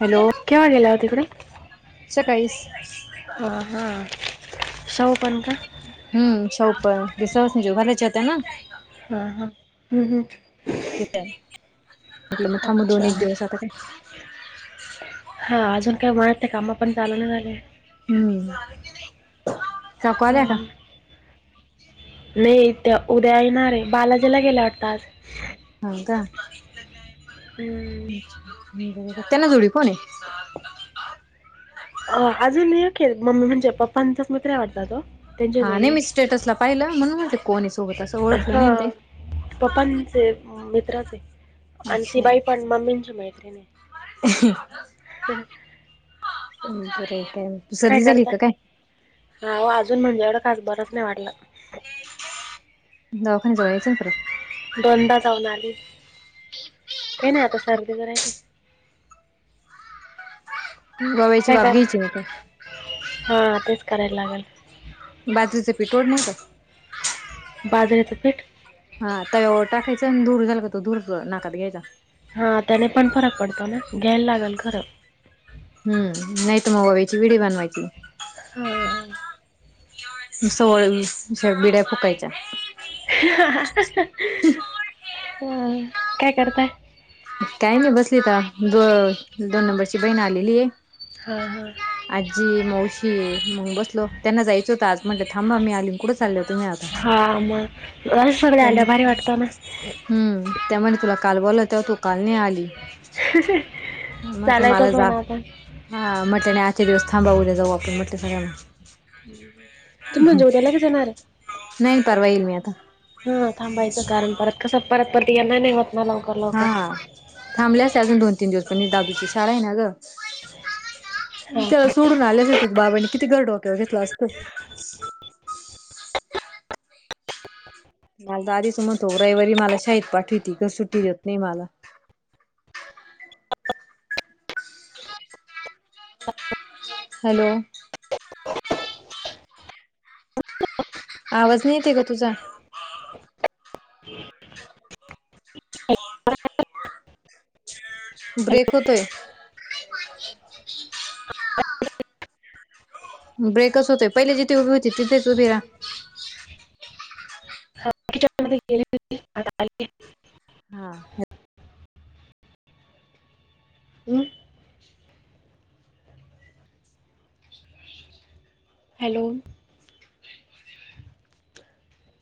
Hello केव्हा गेला होता तिककडे सकाळीस हा हां सौ पणंत हम् सवप विश्वास नाही ज भर जते ना हा हा ब म्हटलं मग थांब दोन अच्छा एक दिवस आता काय हा अजून काय मनात काम पण चाल नाही झाले हम्म ना हो नाही ते उद्या येणारे बालाजीला गेले अटताास हो का हम्म त्याना जोडी कोणी अ अजूनखे मम्मी म्हणजे पप्पांचाच मित्र वाटत तो त्यांच्या हा जोडी नेहमी स्टेटसला पाहिलं म्हणून म्हणते कोणी सोबत असं ओळखलं नाही हा ते पप्पांचे मित्राचे आणि ती अच्छा बाई पण मम्मींची मैत्रिणी बर काय तू काय सर्दी झाली करता का काय हा अजून म्हणज्याकडडे खास बरच नाही वाटला दवखन जळच फ दोनदा जाऊन आली काही नाही आता सर्दी तर राहिली बाबाईची काय करा बाबगीच का हा तेच करायला लागेल बाजूच पिठड नाही का बाजर यचा पेठ हा तवर टाकायचां आणि दूर झालं का तो दूर नाकात घ्यायचा हा त्याने पण फरक पडतो ना घ्यायला लागेल खरं हम्म नाही तर मग व वची व्हिडी बनवायची हो सवळ बिड्या फुकायच्या काय करताय काय नाही बसली तर द दोन नंबरची बहीण आलेली आहे हां हां आजी माौशीून बसलो त्यांना जायचं होतं आज म्हणलं थांबा मी आलीन कुठे चाललं होत नाही आता ह मग सगळ आल्या भारी वाटत ना हम् त्या म्ह तुला काल बोल तेव्हा तू काल नाही आली म्हटलं मला चालायचंच हो जा ना आपण हा म्हट आणि आजचे दिवस थांबवू द्या जाऊ आपण म्हटे तुम्ही म्हणजे उद्या लगेच येणार आहे नाही परवा येईल मी आता हा थांबायचं कारण, परत कसं परत परत येना नाहीत हा थांबले असते अजून दोन- तीन दिवस म्हणज दादूची शाळा आहे ना ग हा त्याला सोडून आल्या येत बाबानी किती गर डोक्यावर घेतलं असतं. मला तर आधीच म्हणतो, रविवारी मला शाळेत पाठवीत का सुट्टी देत नाही मला हॅलो आवाज नाहीेते ग तुझा हॅलो ब्रेक होतोय. ब्रेकच होतय, पहिले जिथे उभी होती तिथेच उभी राहा. [inaudible] हा हम हॅलो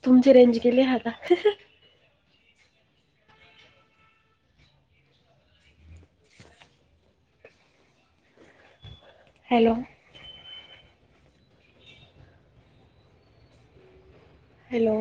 तुमची रेंज गेली आहे का? Hello hello